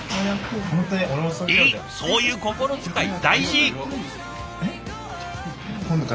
そういう心遣い大事！